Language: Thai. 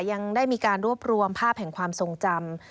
ยังได้มีการรวบรวมภาพแห่งความทรงจำ